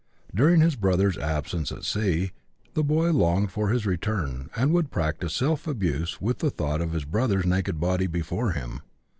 During his brother's absence at sea the boy longed for his return and would practice self abuse with the thought of his brother's naked body before him.